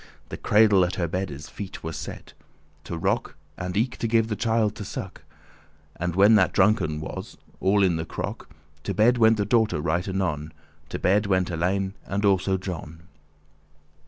The cradle at her beddes feet was set, To rock, and eke to give the child to suck. And when that drunken was all in the crock* *pitcher<18> To bedde went the daughter right anon, To bedde went Alein, and also John.